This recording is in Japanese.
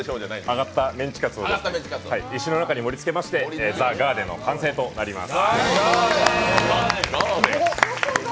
揚がったメンチカツを石の中に盛り付けまして、ＴｈｅＧａｒｄｅｎの完成となります。